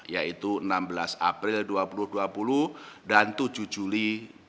yaitu enam belas april dua ribu dua puluh dan tujuh juli dua ribu dua puluh